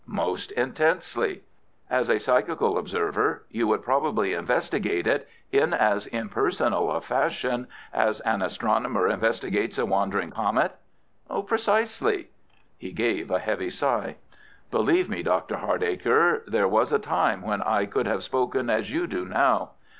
"Most intensely." "As a psychical observer, you would probably investigate it in as impersonal a fashion as an astronomer investigates a wandering comet?" "Precisely." He gave a heavy sigh. "Believe me, Dr. Hardacre, there was a time when I could have spoken as you do now.